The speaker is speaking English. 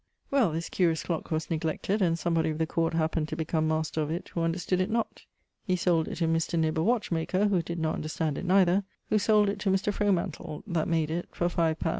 Well! This curious clock was neglected, and somebody of the court happened to become master of it, who understood it not; he sold it to Mr. Knib, a watch maker, who did not understand it neither, who sold it to Mr. Fromantle (that made it) for 5 _li.